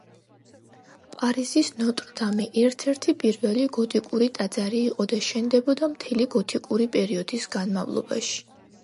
პარიზის ნოტრ-დამი ერთ-ერთი პირველი გოტიკური ტაძარი იყო და შენდებოდა მთელი გოთიკური პერიოდის განმავლობაში.